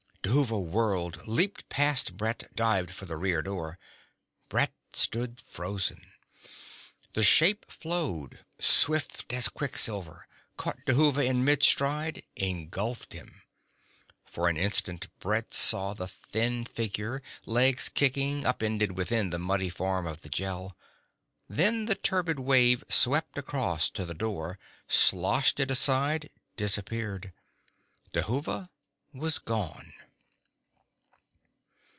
Dhuva whirled, leaped past Brett, dived for the rear door. Brett stood frozen. The shape flowed swift as quicksilver caught Dhuva in mid stride, engulfed him. For an instant Brett saw the thin figure, legs kicking, upended within the muddy form of the Gel. Then the turbid wave swept across to the door, sloshed it aside, disappeared. Dhuva was gone.